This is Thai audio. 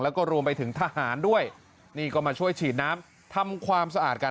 แล้วก็รวมไปถึงทหารด้วยนี่ก็มาช่วยฉีดน้ำทำความสะอาดกัน